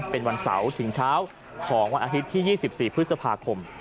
เป็นวันเสาร์ถึงเช้าของวันอาทิตย์ที่๒๔พฤษภาคม